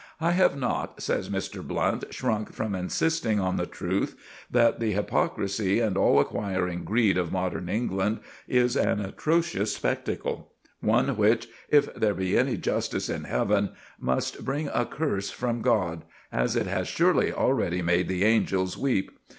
"I have not," says Mr. Blunt, "shrunk from insisting on the truth that the hypocrisy and all acquiring greed of modern England is an atrocious spectacle one which, if there be any justice in Heaven, must bring a curse from God, as it has surely already made the angels weep.